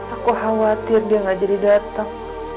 aku khawatir dia gak jadi datang